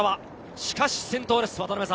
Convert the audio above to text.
しかし先頭です。